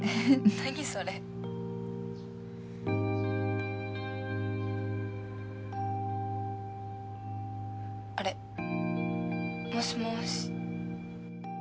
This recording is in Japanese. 何それ☎あれもしもし？